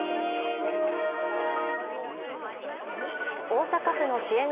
大阪府の支援